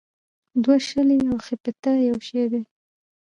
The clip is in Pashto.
دوه شلې او ښپيته يو شٸ دى